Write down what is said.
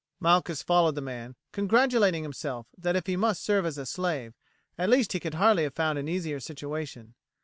Malchus followed the man, congratulating himself that if he must serve as a slave, at least he could hardly have found an easier situation.